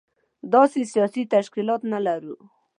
داسې سياسي تشکيلات نه لرو.